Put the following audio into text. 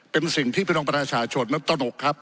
เป็นสิ่งที่พี่น้องประชาชนนั้นตนกครับ